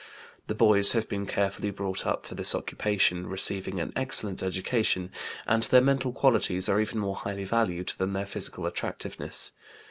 The boys have been carefully brought up for this occupation, receiving an excellent education, and their mental qualities are even more highly valued than their physical attractiveness.